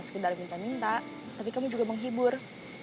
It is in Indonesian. sekedar minta minta tapi kamu juga menghibur